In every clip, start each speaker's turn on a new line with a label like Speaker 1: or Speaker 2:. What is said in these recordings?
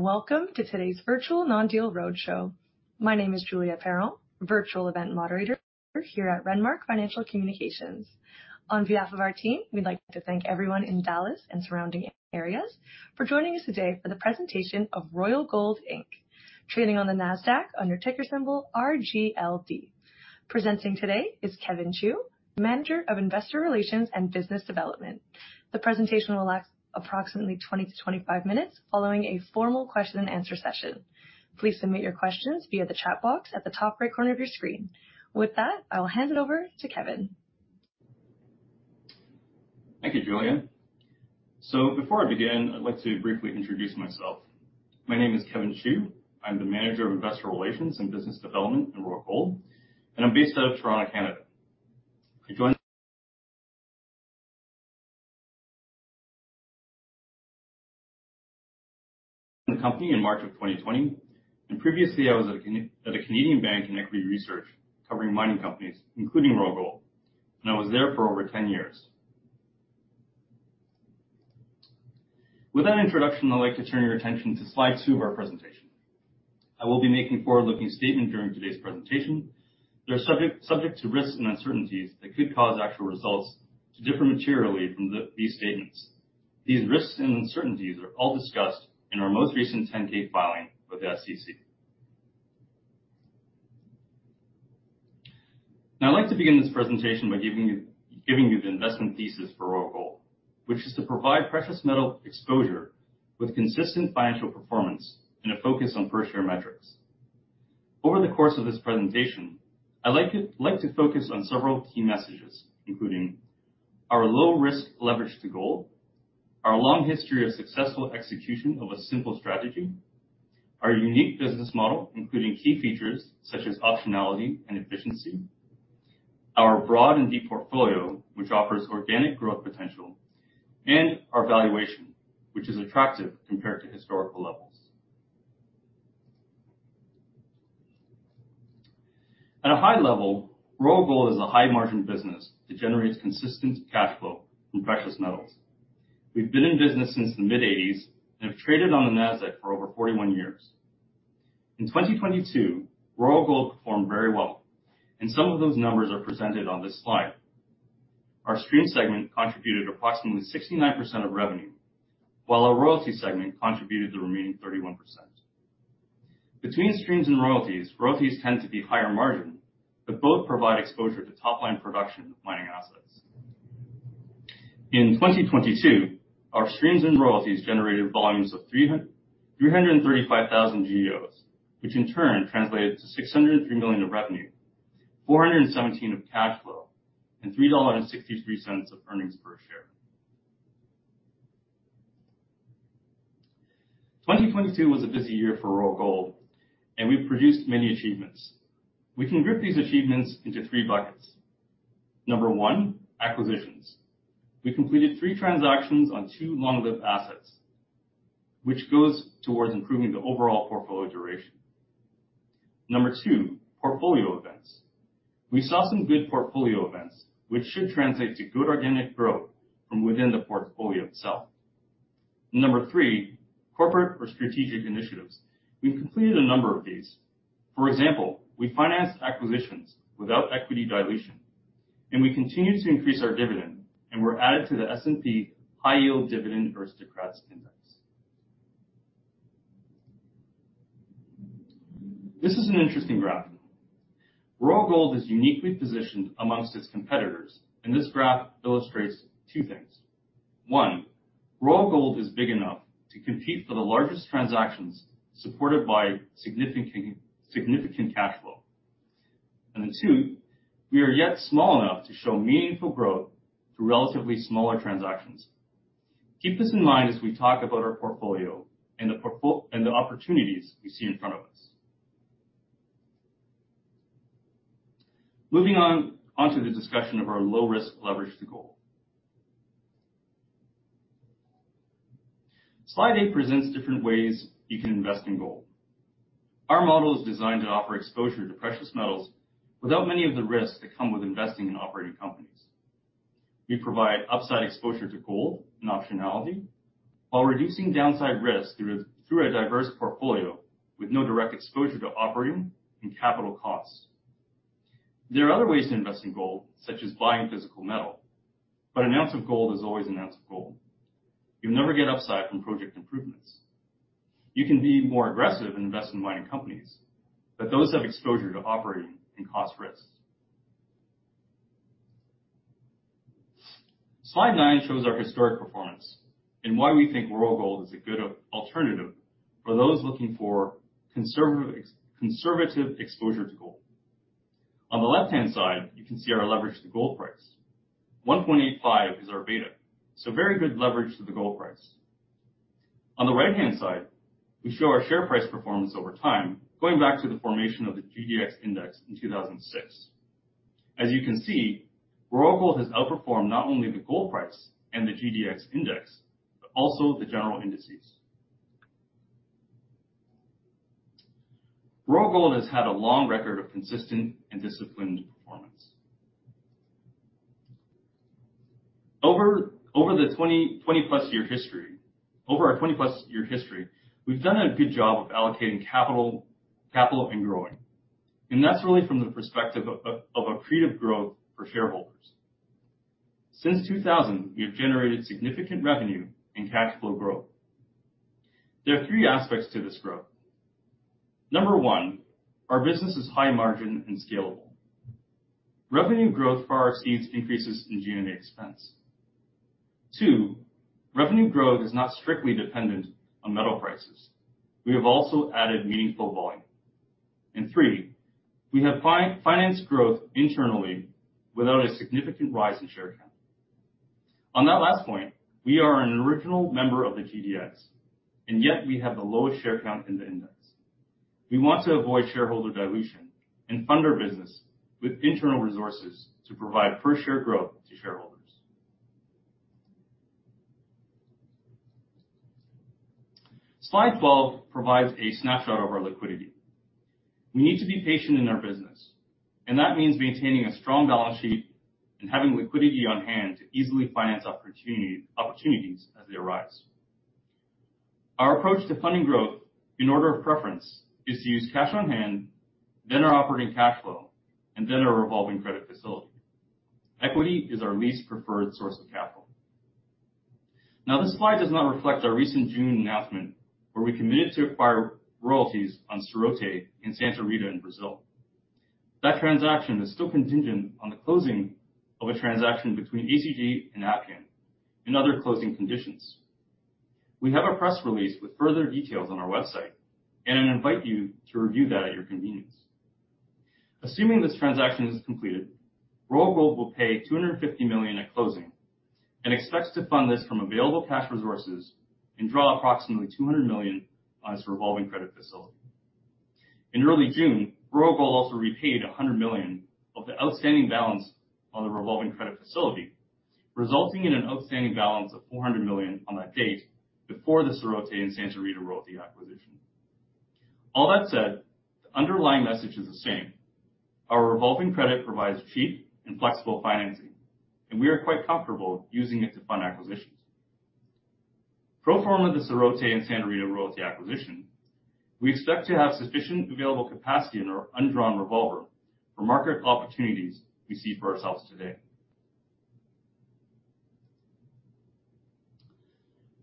Speaker 1: Welcome to today's virtual non-deal roadshow. My name is Julia Perron, virtual event moderator here at Renmark Financial Communications. On behalf of our team, we'd like to thank everyone in Dallas and surrounding areas for joining us today for the presentation of Royal Gold Inc., trading on the NASDAQ under ticker symbol RGLD. Presenting today is Kevin Chiew, Manager of Investor Relations and Business Development. The presentation will last approximately 20-25 minutes following a formal question-and-answer session. Please submit your questions via the chat box at the top right corner of your screen. With that, I will hand it over to Kevin.
Speaker 2: Thank you, Julia. So before I begin, I'd like to briefly introduce myself. My name is Kevin Chiew. I'm the Manager of Investor Relations and Business Development in Royal Gold, and I'm based out of Toronto, Canada. I joined the company in March of 2020, and previously I was at a Canadian bank in equity research covering mining companies, including Royal Gold, and I was there for over 10 years. With that introduction, I'd like to turn your attention to slide two of our presentation. I will be making forward-looking statements during today's presentation. They're subject to risks and uncertainties that could cause actual results to differ materially from these statements. These risks and uncertainties are all discussed in our most recent 10-K filing with the SEC. Now, I'd like to begin this presentation by giving you the investment thesis for Royal Gold, which is to provide precious metal exposure with consistent financial performance and a focus on first-year metrics. Over the course of this presentation, I'd like to focus on several key messages, including our low-risk leverage to gold, our long history of successful execution of a simple strategy, our unique business model, including key features such as optionality and efficiency, our broad and deep portfolio, which offers organic growth potential, and our valuation, which is attractive compared to historical levels. At a high level, Royal Gold is a high-margin business that generates consistent cash flow from precious metals. We've been in business since the mid-1980s and have traded on the NASDAQ for over 41 years. In 2022, Royal Gold performed very well, and some of those numbers are presented on this slide. Our stream segment contributed approximately 69% of revenue, while our royalty segment contributed the remaining 31%. Between streams and royalties, royalties tend to be higher margin, but both provide exposure to top-line production of mining assets. In 2022, our streams and royalties generated volumes of 335,000 GEOs, which in turn translated to $603 million of revenue, $417 million of cash flow, and $3.63 of earnings per share. 2022 was a busy year for Royal Gold, and we've produced many achievements. We can group these achievements into three buckets. Number one, acquisitions. We completed three transactions on two long-lived assets, which goes towards improving the overall portfolio duration. Number two, portfolio events. We saw some good portfolio events, which should translate to good organic growth from within the portfolio itself. Number three, corporate or strategic initiatives. We completed a number of these. For example, we financed acquisitions without equity dilution, and we continued to increase our dividend, and we were added to the S&P High Yield Dividend Aristocrats Index. This is an interesting graph. Royal Gold is uniquely positioned among its competitors, and this graph illustrates two things. One, Royal Gold is big enough to compete for the largest transactions supported by significant cash flow. And two, we are yet small enough to show meaningful growth through relatively smaller transactions. Keep this in mind as we talk about our portfolio and the opportunities we see in front of us. Moving on to the discussion of our low-risk leverage to gold. Slide eight presents different ways you can invest in gold. Our model is designed to offer exposure to precious metals without many of the risks that come with investing in operating companies. We provide upside exposure to gold and optionality while reducing downside risk through a diverse portfolio with no direct exposure to operating and capital costs. There are other ways to invest in gold, such as buying physical metal, but an ounce of gold is always an ounce of gold. You'll never get upside from project improvements. You can be more aggressive and invest in mining companies, but those have exposure to operating and cost risks. Slide nine shows our historic performance and why we think Royal Gold is a good alternative for those looking for conservative exposure to gold. On the left-hand side, you can see our leverage to gold price. 1.85 is our beta, so very good leverage to the gold price. On the right-hand side, we show our share price performance over time, going back to the formation of the GDX index in 2006. As you can see, Royal Gold has outperformed not only the gold price and the GDX index, but also the general indices. Royal Gold has had a long record of consistent and disciplined performance. Over the 20-plus year history, over our 20-plus year history, we've done a good job of allocating capital and growing, and that's really from the perspective of accretive growth for shareholders. Since 2000, we have generated significant revenue and cash flow growth. There are three aspects to this growth. Number one, our business is high margin and scalable. Revenue growth leads to modest increases in G&A expense. Two, revenue growth is not strictly dependent on metal prices. We have also added meaningful volume. And three, we have financed growth internally without a significant rise in share count. On that last point, we are an original member of the GDX, and yet we have the lowest share count in the index. We want to avoid shareholder dilution and fund our business with internal resources to provide per-share growth to shareholders. Slide 12 provides a snapshot of our liquidity. We need to be patient in our business, and that means maintaining a strong balance sheet and having liquidity on hand to easily finance opportunities as they arise. Our approach to funding growth, in order of preference, is to use cash on hand, then our operating cash flow, and then our revolving credit facility. Equity is our least preferred source of capital. Now, this slide does not reflect our recent June announcement where we committed to acquire royalties on Serrote in Santa Rita in Brazil. That transaction is still contingent on the closing of a transaction between ACG and Appian and other closing conditions. We have a press release with further details on our website, and I invite you to review that at your convenience. Assuming this transaction is completed, Royal Gold will pay $250 million at closing and expects to fund this from available cash resources and draw approximately $200 million on its revolving credit facility. In early June, Royal Gold also repaid $100 million of the outstanding balance on the revolving credit facility, resulting in an outstanding balance of $400 million on that date before the Serrote in Santa Rita royalty acquisition. All that said, the underlying message is the same. Our revolving credit provides cheap and flexible financing, and we are quite comfortable using it to fund acquisitions. Pro forma the Serrote in Santa Rita royalty acquisition, we expect to have sufficient available capacity in our undrawn revolver for market opportunities we see for ourselves today.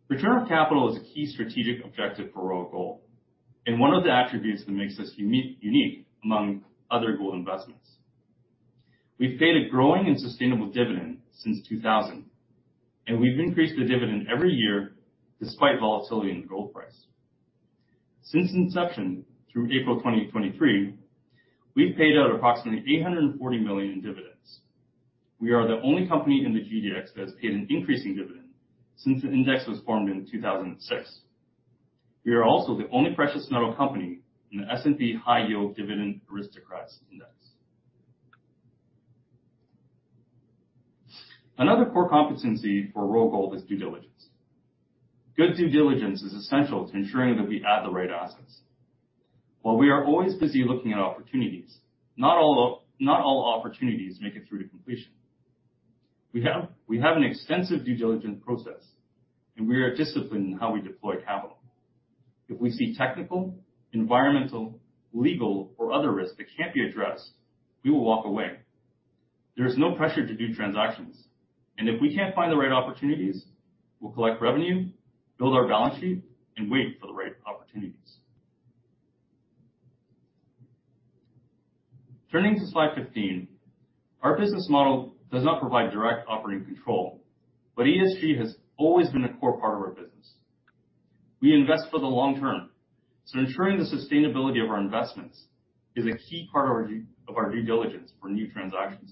Speaker 2: Return of capital is a key strategic objective for Royal Gold, and one of the attributes that makes us unique among other gold investments. We've paid a growing and sustainable dividend since 2000, and we've increased the dividend every year despite volatility in the gold price. Since inception through April 2023, we've paid out approximately $840 million in dividends. We are the only company in the GDX that has paid an increasing dividend since the index was formed in 2006. We are also the only precious metal company in the S&P High Yield Dividend Aristocrats Index. Another core competency for Royal Gold is due diligence. Good due diligence is essential to ensuring that we add the right assets. While we are always busy looking at opportunities, not all opportunities make it through to completion. We have an extensive due diligence process, and we are disciplined in how we deploy capital. If we see technical, environmental, legal, or other risks that can't be addressed, we will walk away. There is no pressure to do transactions, and if we can't find the right opportunities, we'll collect revenue, build our balance sheet, and wait for the right opportunities. Turning to slide 15, our business model does not provide direct operating control, but ESG has always been a core part of our business. We invest for the long term, so ensuring the sustainability of our investments is a key part of our due diligence for new transactions.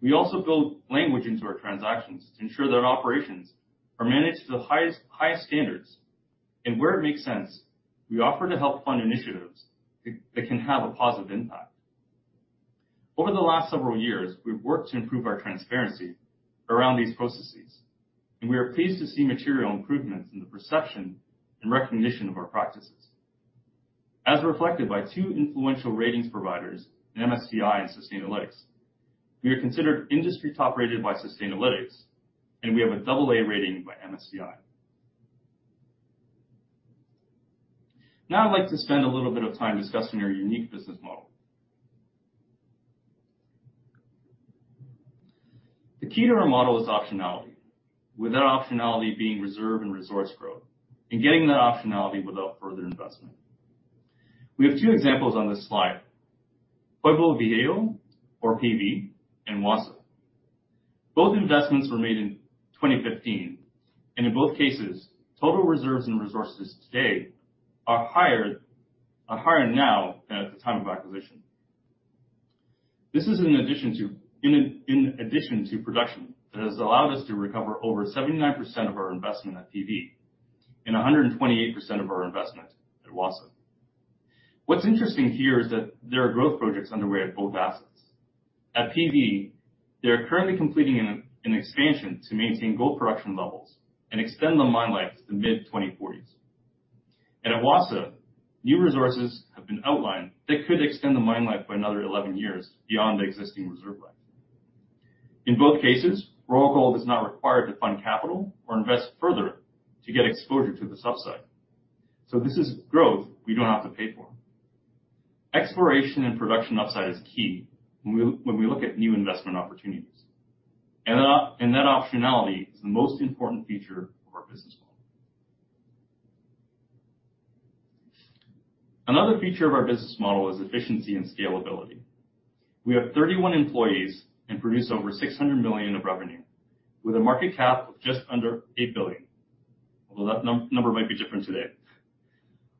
Speaker 2: We also build language into our transactions to ensure that operations are managed to the highest standards, and where it makes sense, we offer to help fund initiatives that can have a positive impact. Over the last several years, we've worked to improve our transparency around these processes, and we are pleased to see material improvements in the perception and recognition of our practices. As reflected by two influential ratings providers in MSCI and Sustainalytics, we are considered industry-top rated by Sustainalytics, and we have a double-A rating by MSCI. Now I'd like to spend a little bit of time discussing our unique business model. The key to our model is optionality, with that optionality being reserve and resource growth, and getting that optionality without further investment. We have two examples on this slide: Pueblo Viejo, or PV, and Wassa. Both investments were made in 2015, and in both cases, total reserves and resources today are higher now than at the time of acquisition. This is in addition to production that has allowed us to recover over 79% of our investment at PV and 128% of our investment at Wassa. What's interesting here is that there are growth projects underway at both assets. At PV, they are currently completing an expansion to maintain gold production levels and extend the mine life to the mid-2040s, and at Wassa, new resources have been outlined that could extend the mine life by another 11 years beyond the existing reserve life. In both cases, Royal Gold is not required to fund capital or invest further to get exposure to this upside, so this is growth we don't have to pay for. Exploration and production upside is key when we look at new investment opportunities, and that optionality is the most important feature of our business model. Another feature of our business model is efficiency and scalability. We have 31 employees and produce over $600 million of revenue, with a market cap of just under $8 billion, although that number might be different today.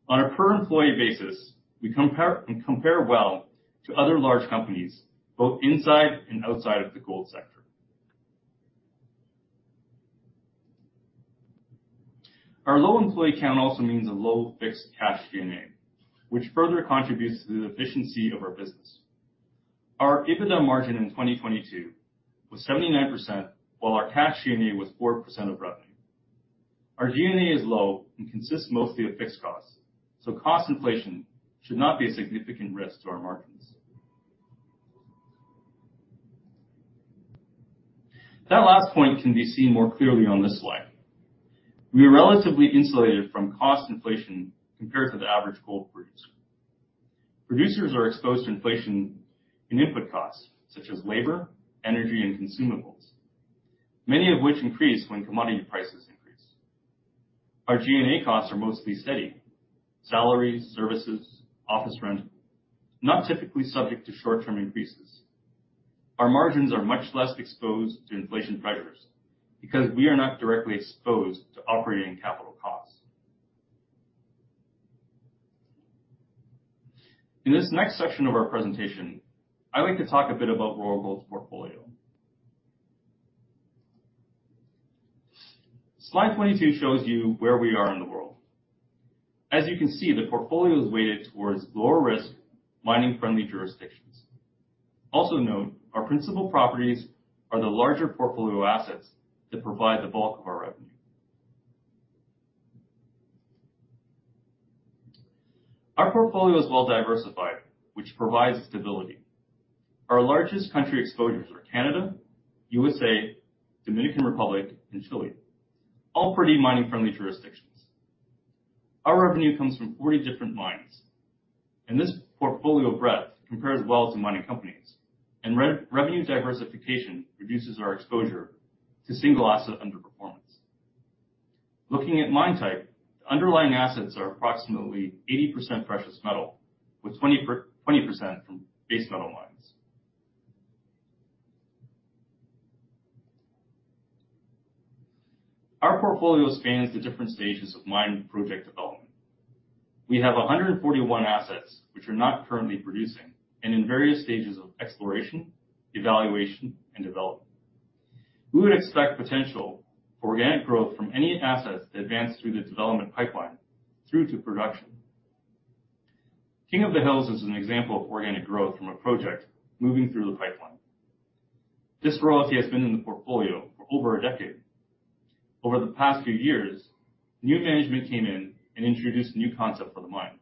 Speaker 2: On a per-employee basis, we compare well to other large companies, both inside and outside of the gold sector. Our low employee count also means a low fixed cash G&A, which further contributes to the efficiency of our business. Our EBITDA margin in 2022 was 79%, while our cash G&A was 4% of revenue. Our G&A is low and consists mostly of fixed costs, so cost inflation should not be a significant risk to our margins. That last point can be seen more clearly on this slide. We are relatively insulated from cost inflation compared to the average gold producer. Producers are exposed to inflation in input costs, such as labor, energy, and consumables, many of which increase when commodity prices increase. Our G&A costs are mostly steady: salaries, services, office rent, not typically subject to short-term increases. Our margins are much less exposed to inflation pressures because we are not directly exposed to operating capital costs. In this next section of our presentation, I'd like to talk a bit about Royal Gold's portfolio. Slide 22 shows you where we are in the world. As you can see, the portfolio is weighted towards lower-risk, mining-friendly jurisdictions. Also note, our principal properties are the larger portfolio assets that provide the bulk of our revenue. Our portfolio is well diversified, which provides stability. Our largest country exposures are Canada, USA, Dominican Republic, and Chile, all pretty mining-friendly jurisdictions. Our revenue comes from 40 different mines, and this portfolio breadth compares well to mining companies, and revenue diversification reduces our exposure to single asset underperformance. Looking at mine type, the underlying assets are approximately 80% precious metal, with 20% from base metal mines. Our portfolio spans the different stages of mine project development. We have 141 assets, which are not currently producing, and in various stages of exploration, evaluation, and development. We would expect potential for organic growth from any assets that advance through the development pipeline through to production. King of the Hills is an example of organic growth from a project moving through the pipeline. This royalty has been in the portfolio for over a decade. Over the past few years, new management came in and introduced new concepts for the mine.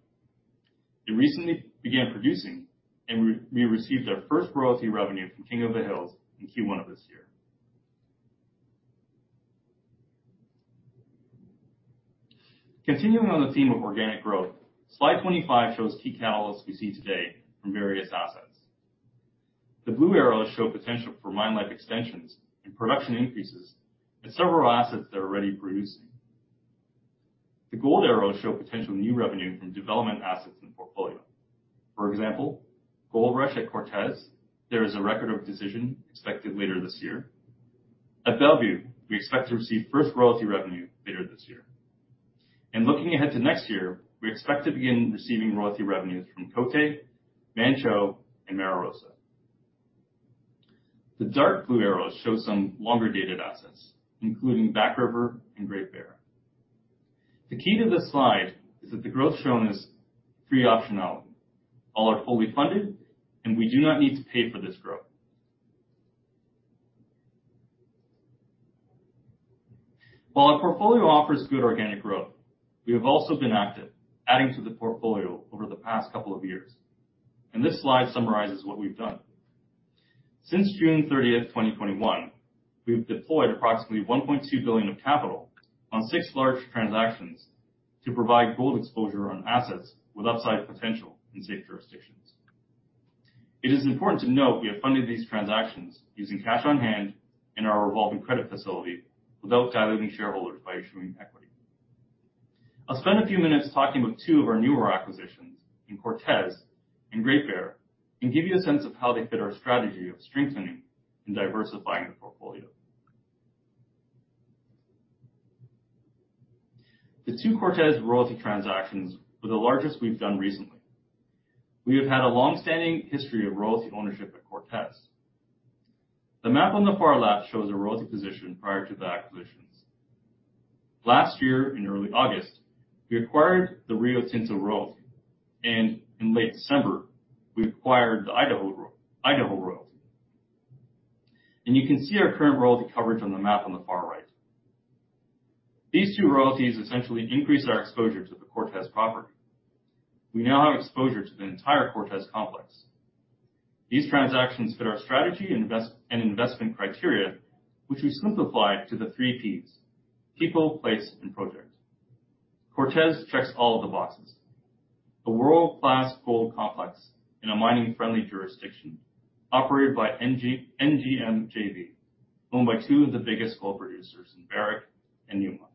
Speaker 2: It recently began producing, and we received our first royalty revenue from King of the Hills in Q1 of this year. Continuing on the theme of organic growth, slide 25 shows key catalysts we see today from various assets. The blue arrows show potential for mine life extensions and production increases at several assets that are already producing. The gold arrows show potential new revenue from development assets in the portfolio. For example, Goldrush at Cortez, there is a record of decision expected later this year. At Bellevue, we expect to receive first royalty revenue later this year, and looking ahead to next year, we expect to begin receiving royalty revenues from Côté, Manh Choh, and Mara Rosa. The dark blue arrows show some longer dated assets, including Back River and Great Bear. The key to this slide is that the growth shown is free optionality. All are fully funded, and we do not need to pay for this growth. While our portfolio offers good organic growth, we have also been active, adding to the portfolio over the past couple of years, and this slide summarizes what we've done. Since June 30, 2021, we've deployed approximately $1.2 billion of capital on six large transactions to provide gold exposure on assets with upside potential in safe jurisdictions. It is important to note we have funded these transactions using cash on hand and our revolving credit facility without diluting shareholders by issuing equity. I'll spend a few minutes talking about two of our newer acquisitions, in Cortez and Great Bear, and give you a sense of how they fit our strategy of strengthening and diversifying the portfolio. The two Cortez royalty transactions were the largest we've done recently. We have had a long-standing history of royalty ownership at Cortez. The map on the far left shows a royalty position prior to the acquisitions. Last year, in early August, we acquired the Rio Tinto royalty, and in late December, we acquired the Idaho royalty. You can see our current royalty coverage on the map on the far right. These two royalties essentially increased our exposure to the Cortez property. We now have exposure to the entire Cortez complex. These transactions fit our strategy and investment criteria, which we simplified to the three P's: people, place, and project. Cortez checks all of the boxes. A world-class gold complex in a mining-friendly jurisdiction operated by NGM JV, owned by two of the biggest gold producers in Barrick and Newmont.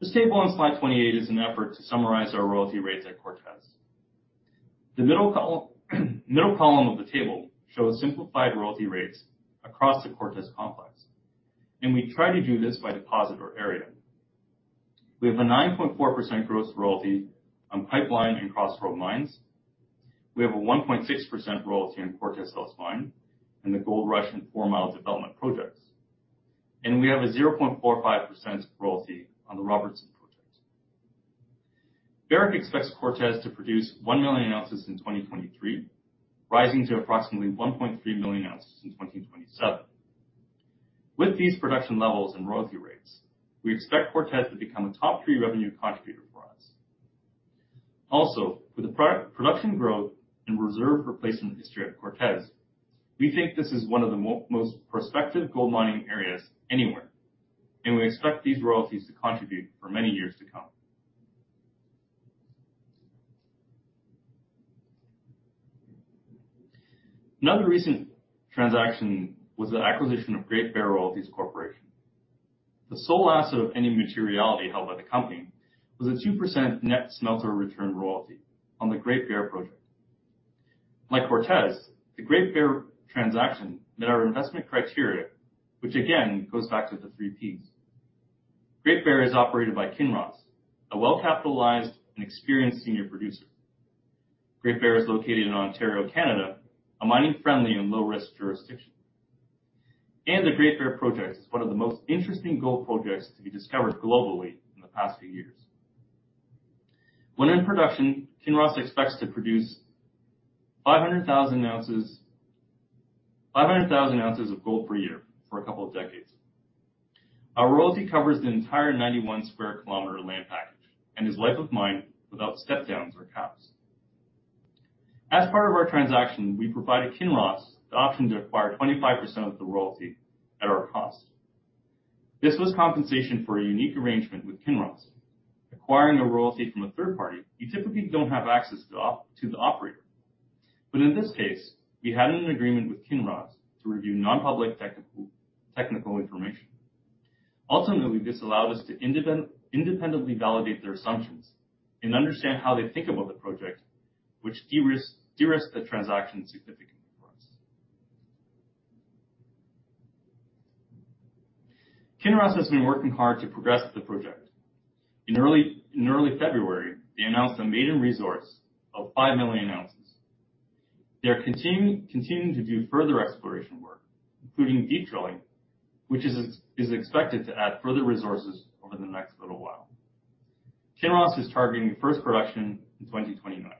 Speaker 2: This table on slide 28 is an effort to summarize our royalty rates at Cortez. The middle column of the table shows simplified royalty rates across the Cortez Complex, and we try to do this by deposit or area. We have a 9.4% gross royalty on Pipeline and Crossroads mines. We have a 1.6% royalty on Cortez Hills mine and the Goldrush and Fourmile Development Projects, and we have a 0.45% royalty on the Robertson Project. Barrick expects Cortez to produce one million ounces in 2023, rising to approximately 1.3 million ounces in 2027. With these production levels and royalty rates, we expect Cortez to become a top three revenue contributor for us. Also, with the production growth and reserve replacement history at Cortez, we think this is one of the most prospective gold mining areas anywhere, and we expect these royalties to contribute for many years to come. Another recent transaction was the acquisition of Great Bear Royalties Corporation. The sole asset of any materiality held by the company was a 2% net smelter return royalty on the Great Bear Project. Like Cortez, the Great Bear transaction met our investment criteria, which again goes back to the Three P's. Great Bear is operated by Kinross, a well-capitalized and experienced senior producer. Great Bear is located in Ontario, Canada, a mining-friendly and low-risk jurisdiction, and the Great Bear Project is one of the most interesting gold projects to be discovered globally in the past few years. When in production, Kinross expects to produce 500,000 ounces of gold per year for a couple of decades. Our royalty covers the entire 91 square kilometers land package and is life of mine without step-downs or caps. As part of our transaction, we provided Kinross the option to acquire 25% of the royalty at our cost. This was compensation for a unique arrangement with Kinross. Acquiring a royalty from a third party, you typically don't have access to the operator. But in this case, we had an agreement with Kinross to review non-public technical information. Ultimately, this allowed us to independently validate their assumptions and understand how they think about the project, which de-risked the transaction significantly for us. Kinross has been working hard to progress the project. In early February, they announced a maiden resource of 5 million ounces. They are continuing to do further exploration work, including deep drilling, which is expected to add further resources over the next little while. Kinross is targeting first production in 2029.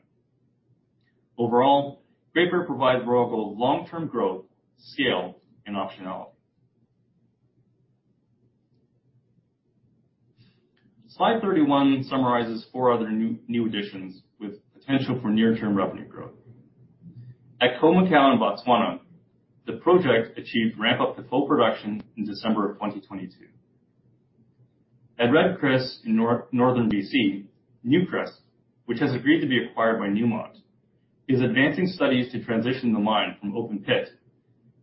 Speaker 2: Overall, Great Bear provides Royal Gold long-term growth, scale, and optionality. Slide 31 summarizes four other new additions with potential for near-term revenue growth. At Khoemacau in Botswana, the project achieved ramp-up to full production in December of 2022. At Red Chris in northern BC, Newcrest, which has agreed to be acquired by Newmont, is advancing studies to transition the mine from open pit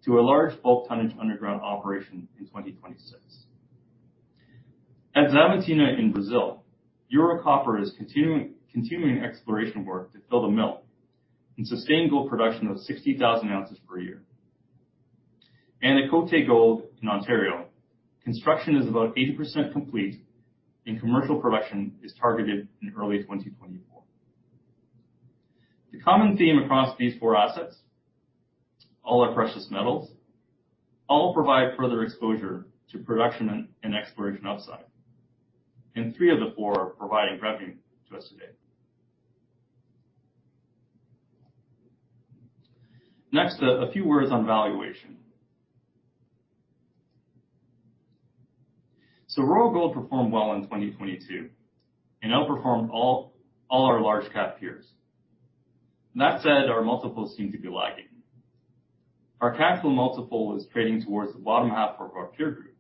Speaker 2: to a large bulk tonnage underground operation in 2026. At Xavantina in Brazil, Ero Copper is continuing exploration work to fill the mill and sustain gold production of 60,000 ounces per year. And at Côté Gold in Ontario, construction is about 80% complete, and commercial production is targeted in early 2024. The common theme across these four assets: all are precious metals. All provide further exposure to production and exploration upside. And three of the four are providing revenue to us today. Next, a few words on valuation. So Royal Gold performed well in 2022 and outperformed all our large-cap peers. That said, our multiples seem to be lagging. Our cash flow multiple is trading towards the bottom half of our peer group.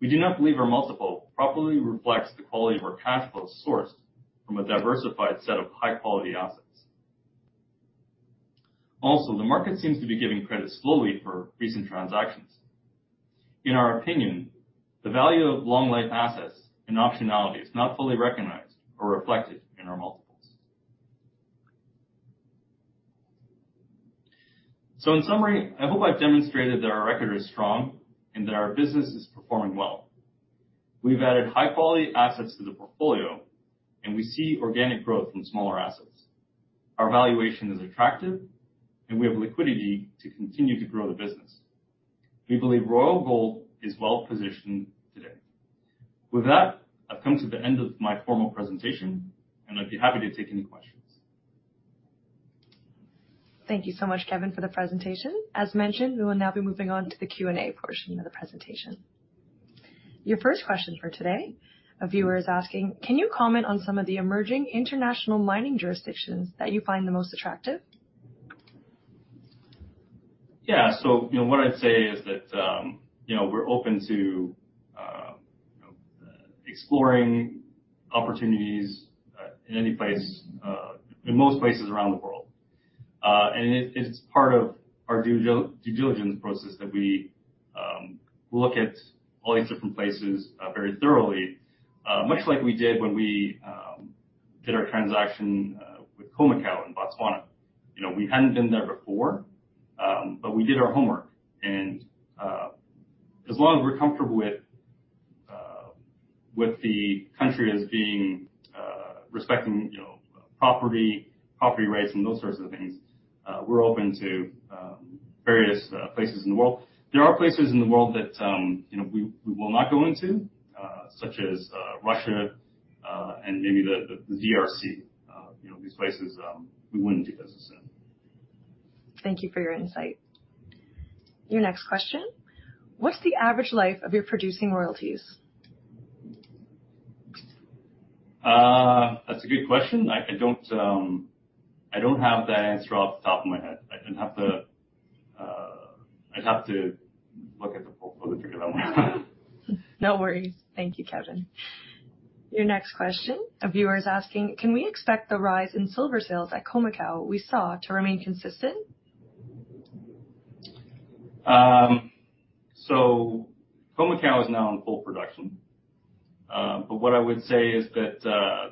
Speaker 2: We do not believe our multiple properly reflects the quality of our cash flows sourced from a diversified set of high-quality assets. Also, the market seems to be giving credit slowly for recent transactions. In our opinion, the value of long-life assets and optionality is not fully recognized or reflected in our multiples. So in summary, I hope I've demonstrated that our record is strong and that our business is performing well. We've added high-quality assets to the portfolio, and we see organic growth from smaller assets. Our valuation is attractive, and we have liquidity to continue to grow the business. We believe Royal Gold is well positioned today. With that, I've come to the end of my formal presentation, and I'd be happy to take any questions.
Speaker 1: Thank you so much, Kevin, for the presentation. As mentioned, we will now be moving on to the Q&A portion of the presentation. Your first question for today, a viewer is asking, "Can you comment on some of the emerging international mining jurisdictions that you find the most attractive?"
Speaker 2: Yeah, so what I'd say is that we're open to exploring opportunities in any place, in most places around the world. And it's part of our due diligence process that we look at all these different places very thoroughly, much like we did when we did our transaction with Khoemacau in Botswana. We hadn't been there before, but we did our homework. And as long as we're comfortable with the country as being respecting property rights and those sorts of things, we're open to various places in the world. There are places in the world that we will not go into, such as Russia and maybe the DRC. These places, we wouldn't do business in.
Speaker 1: Thank you for your insight. Your next question, "What's the average life of your producing royalties?"
Speaker 2: That's a good question. I don't have that answer off the top of my head. I'd have to look at the portfolio figure that I want to.
Speaker 1: No worries. Thank you, Kevin. Your next question, a viewer is asking, "Can we expect the rise in silver sales at Khoemacau we saw to remain consistent?"
Speaker 2: So Khoemacau is now in full production. But what I would say is that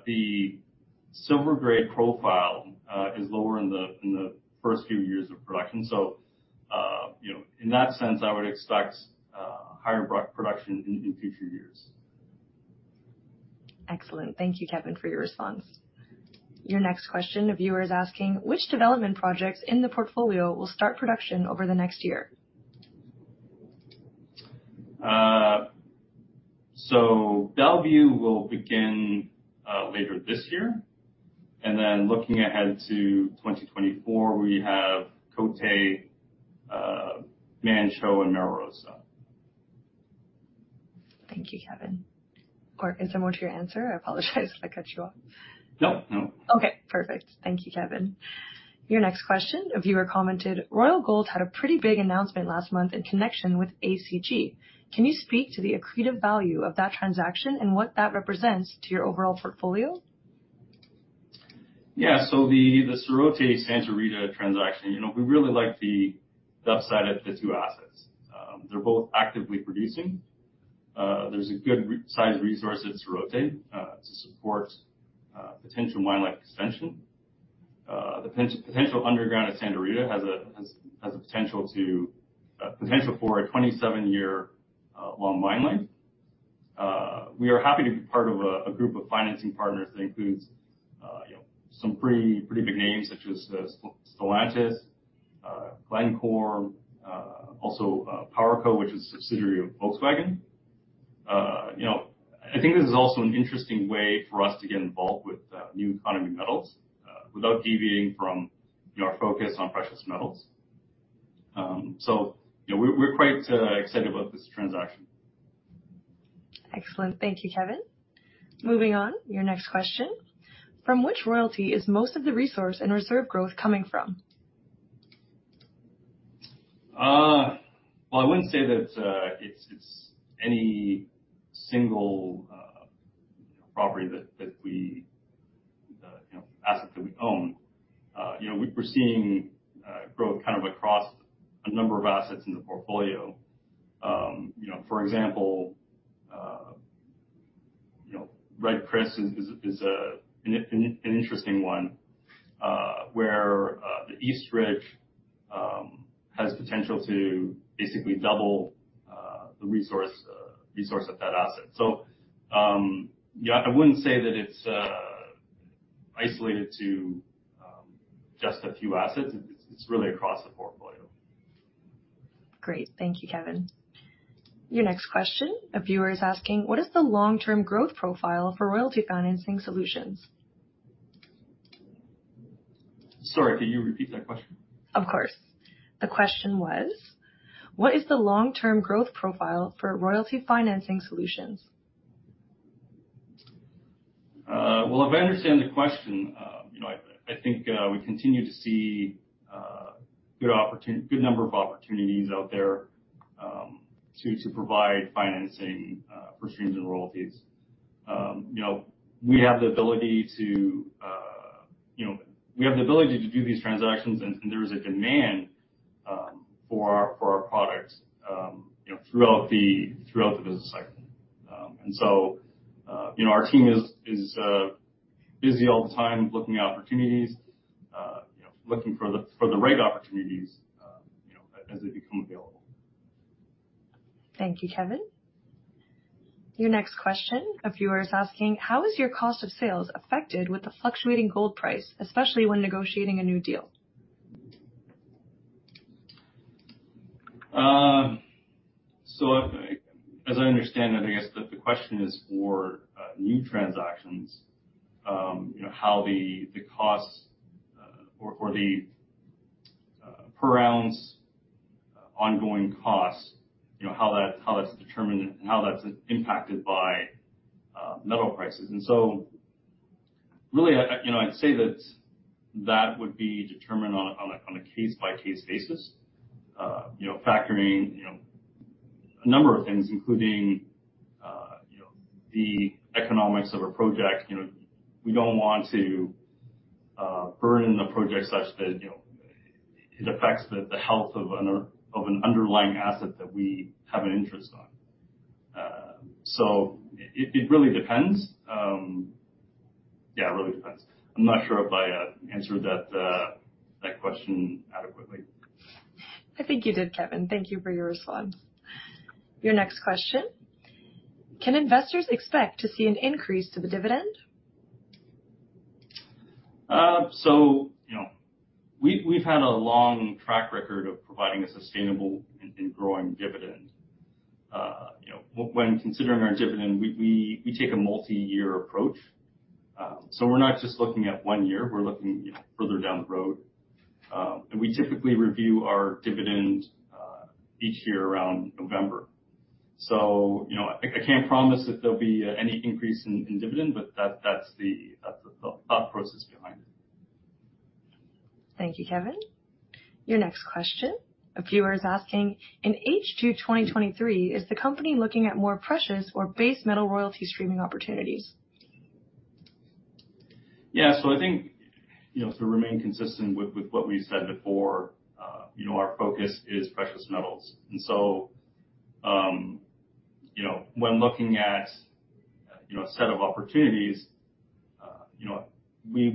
Speaker 2: the silver-grade profile is lower in the first few years of production. So in that sense, I would expect higher production in future years.
Speaker 1: Excellent. Thank you, Kevin, for your response. Your next question, a viewer is asking, "Which development projects in the portfolio will start production over the next year?"
Speaker 2: So Bellevue will begin later this year. Then looking ahead to 2024, we have Côté, Manh Choh, and Mara Rosa.
Speaker 1: Thank you, Kevin. Or is there more to your answer? I apologize if I cut you off.
Speaker 2: No, no.
Speaker 1: Okay, perfect. Thank you, Kevin. Your next question, a viewer commented, "Royal Gold had a pretty big announcement last month in connection with ACG. Can you speak to the accretive value of that transaction and what that represents to your overall portfolio?"
Speaker 2: Yeah, so the Serrote-Santa Rita transaction, we really like the upside of the two assets. They're both actively producing. There's a good-sized resource at Serrote to support potential mine life extension. The potential underground at Santa Rita has a potential for a 27-year-long mine life. We are happy to be part of a group of financing partners that includes some pretty big names such as Stellantis, Glencore, also PowerCo, which is a subsidiary of Volkswagen. I think this is also an interesting way for us to get involved with new economy metals without deviating from our focus on precious metals. So we're quite excited about this transaction.
Speaker 1: Excellent. Thank you, Kevin. Moving on, your next question, "From which royalty is most of the resource and reserve growth coming from?"
Speaker 2: Well, I wouldn't say that it's any single property that we have as an asset that we own. We're seeing growth kind of across a number of assets in the portfolio. For example, Red Chris is an interesting one where the East Ridge has potential to basically double the resource of that asset. So I wouldn't say that it's isolated to just a few assets. It's really across the portfolio.
Speaker 1: Great. Thank you, Kevin. Your next question, a viewer is asking, "What is the long-term growth profile for royalty financing solutions?"
Speaker 2: Sorry, could you repeat that question?
Speaker 1: Of course. The question was, "What is the long-term growth profile for royalty financing solutions?"
Speaker 2: If I understand the question, I think we continue to see a good number of opportunities out there to provide financing for streams and royalties. We have the ability to do these transactions, and there is a demand for our products throughout the business cycle, and so our team is busy all the time looking at opportunities, looking for the right opportunities as they become available.
Speaker 1: Thank you, Kevin. Your next question: a viewer is asking, "How is your cost of sales affected with the fluctuating gold price, especially when negotiating a new deal?"
Speaker 2: As I understand it, I guess the question is for new transactions, how the costs or the per-ounce ongoing costs, how that's determined and how that's impacted by metal prices. And so really, I'd say that that would be determined on a case-by-case basis, factoring a number of things, including the economics of a project. We don't want to burn in the project such that it affects the health of an underlying asset that we have an interest on. So it really depends. Yeah, it really depends. I'm not sure if I answered that question adequately.
Speaker 1: I think you did, Kevin. Thank you for your response. Your next question, "Can investors expect to see an increase to the dividend?"
Speaker 2: So we've had a long track record of providing a sustainable and growing dividend. When considering our dividend, we take a multi-year approach. So we're not just looking at one year. We're looking further down the road. And we typically review our dividend each year around November. So I can't promise that there'll be any increase in dividend, but that's the thought process behind it.
Speaker 1: Thank you, Kevin. Your next question, a viewer is asking, "In H2 2023, is the company looking at more precious or base metal royalty streaming opportunities?"
Speaker 2: Yeah, so I think to remain consistent with what we said before, our focus is precious metals. And so when looking at a set of opportunities, we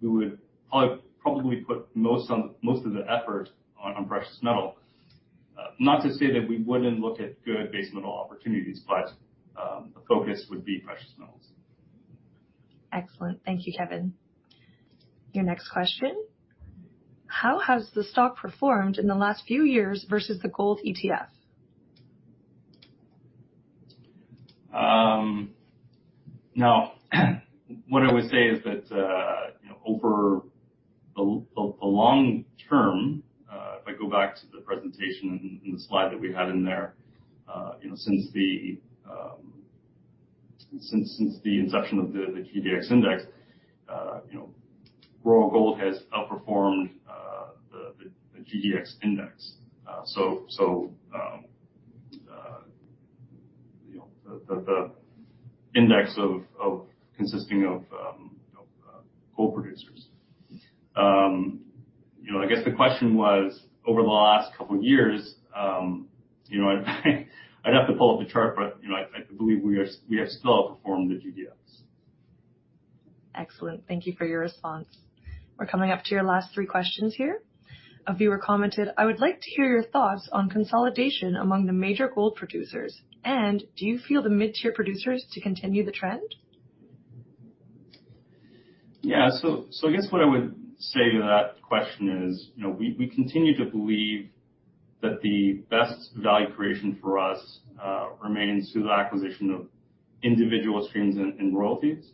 Speaker 2: would probably put most of the effort on precious metal. Not to say that we wouldn't look at good base metal opportunities, but the focus would be precious metals.
Speaker 1: Excellent. Thank you, Kevin. Your next question, "How has the stock performed in the last few years versus the gold ETF?"
Speaker 2: Now, what I would say is that over the long term, if I go back to the presentation and the slide that we had in there, since the inception of the GDX index, Royal Gold has outperformed the GDX index. So the index consisting of gold producers. I guess the question was, over the last couple of years, I'd have to pull up the chart, but I believe we have still outperformed the GDX.
Speaker 1: Excellent. Thank you for your response. We're coming up to your last three questions here. A viewer commented, "I would like to hear your thoughts on consolidation among the major gold producers. And do you feel the mid-tier producers to continue the trend?" "
Speaker 2: Yeah, so I guess what I would say to that question is we continue to believe that the best value creation for us remains through the acquisition of individual streams and royalties.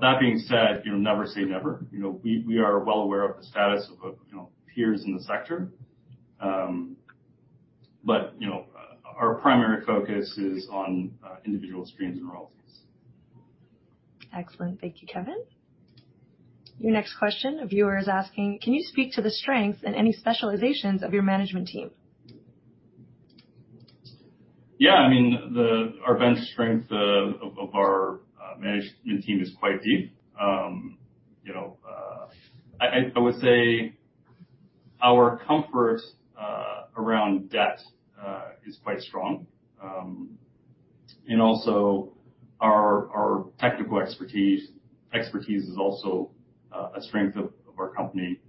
Speaker 2: That being said, never say never. We are well aware of the status of peers in the sector. But our primary focus is on individual streams and royalties.
Speaker 1: Excellent. Thank you, Kevin. Your next question, a viewer is asking, "Can you speak to the strengths and any specializations of your management team?"
Speaker 2: Yeah, I mean, our bench strength of our management team is quite deep. I would say our comfort around debt is quite strong. And also, our technical expertise is also a strength of our company.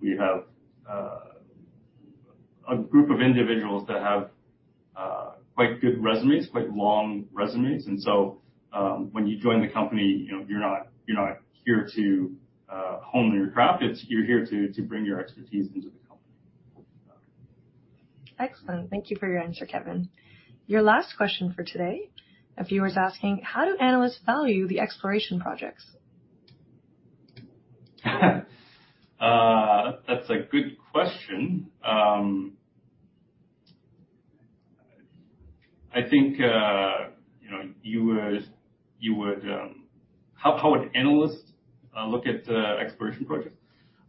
Speaker 2: We have a group of individuals that have quite good resumes, quite long resumes. And so when you join the company, you're not here to hone your craft. You're here to bring your expertise into the company.
Speaker 1: Excellent. Thank you for your answer, Kevin. Your last question for today, a viewer is asking, "How do analysts value the exploration projects?"
Speaker 2: That's a good question. I think you would, how would analysts look at the exploration projects?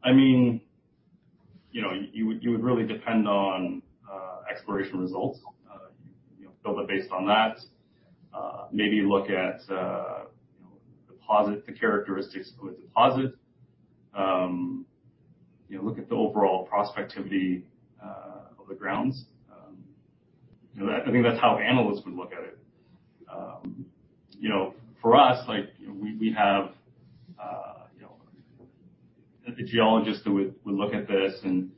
Speaker 2: I mean, you would really depend on exploration results. You build it based on that. Maybe look at the characteristics of a deposit. Look at the overall prospectivity of the grounds. I think that's how analysts would look at it. For us, we have a geologist that would look at this and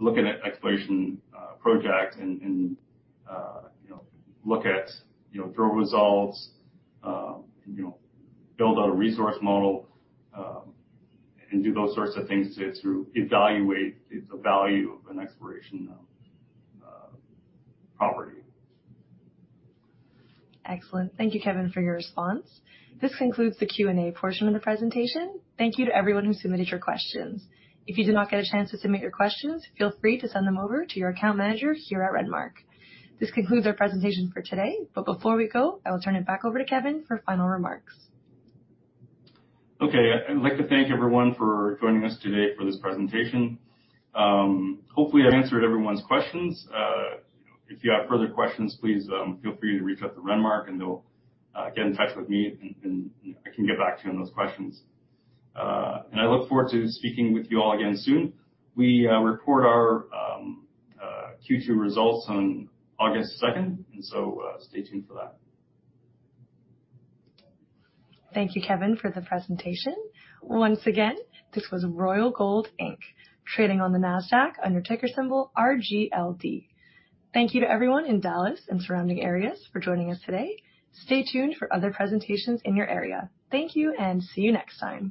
Speaker 2: look at exploration projects and look at drill results, build out a resource model, and do those sorts of things to evaluate the value of an exploration property.
Speaker 1: Excellent. Thank you, Kevin, for your response. This concludes the Q&A portion of the presentation. Thank you to everyone who submitted your questions. If you did not get a chance to submit your questions, feel free to send them over to your account manager here at Renmark. This concludes our presentation for today, but before we go, I will turn it back over to Kevin for final remarks.
Speaker 2: Okay, I'd like to thank everyone for joining us today for this presentation. Hopefully, I've answered everyone's questions. If you have further questions, please feel free to reach out to Renmark, and they'll get in touch with me, and I can get back to you on those questions, and I look forward to speaking with you all again soon. We report our Q2 results on August 2nd, and so stay tuned for that.
Speaker 1: Thank you, Kevin, for the presentation. Once again, this was Royal Gold Inc.Trading on the NASDAQ under ticker symbol RGLD. Thank you to everyone in Dallas and surrounding areas for joining us today. Stay tuned for other presentations in your area. Thank you, and see you next time.